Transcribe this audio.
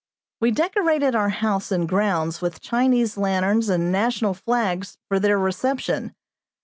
We decorated our house and grounds with Chinese lanterns and national flags for their reception.